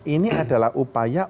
ini adalah upaya